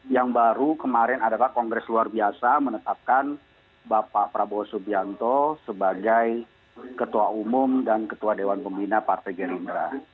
yang baru kemarin adalah kongres luar biasa menetapkan bapak prabowo subianto sebagai ketua umum dan ketua dewan pembina partai gerindra